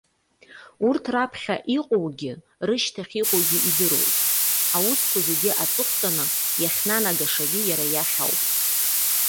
Урҭ раԥхьа иҟоугьы, рашьҭахь иҟоугьы идыруеит. Аусқәа зегьы аҵыхәтәаны иахьнанагашагьы иара иахь ауп.